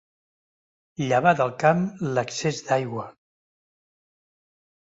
Llevar del camp l'excés d'aigua.